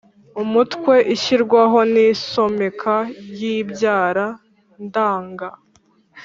Umutwe ishyirwaho n isomeka ry ibyara ndanga